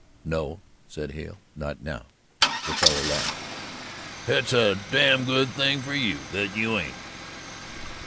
"No," said Hale, "not now." The fellow laughed. "Hit's a damned good thing for you that you ain't."